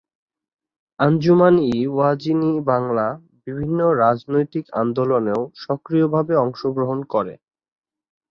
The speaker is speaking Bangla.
আঞ্জুমান-ই-ওয়াজিন-ই-বাংলা বিভিন্ন রাজনৈতিক আন্দোলনেও সক্রিয়ভাবে অংশগ্রহণ করে।